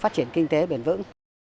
phát triển kinh tế bền vững